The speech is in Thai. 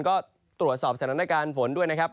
ก็ตรวจสอบสถานการณ์ฝนด้วยนะครับ